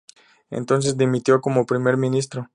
Entonces, dimitió como primer ministro.